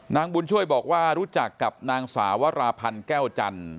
นางบุญช่วยบอกว่ารู้จักกับนางสาวราพันธ์แก้วจันทร์